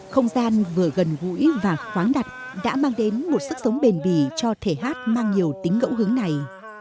không gian vừa gần gũi và khoáng đặt đã mang đến một sức sống bền bì cho thể hát mang nhiều tính ngẫu hứng này